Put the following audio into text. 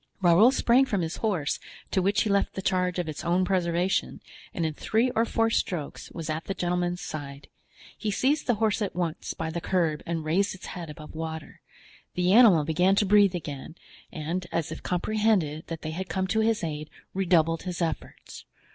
Raoul sprang from his horse, to which he left the charge of its own preservation, and in three or four strokes was at the gentleman's side; he seized the horse at once by the curb and raised its head above water; the animal began to breathe again and, as if he comprehended that they had come to his aid, redoubled his efforts.